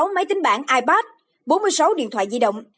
hai mươi sáu máy tính bản ipad